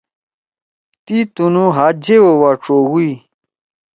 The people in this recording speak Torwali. تی تُنُو ہات جیبا وا ڇوگُوئی۔